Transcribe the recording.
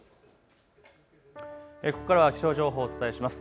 ここからは気象情報をお伝えします。